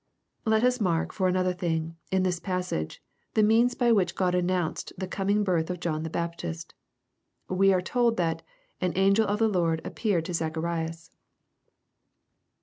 Let us mark, for another thing, in this passage, the means by which God announced the coming birth of John the Baptist. We are told that " an angel of the Lord appeared to Zacharias.''